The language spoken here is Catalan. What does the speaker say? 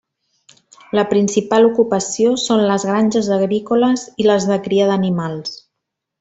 La principal ocupació són les granges agrícoles i les de cria d'animals.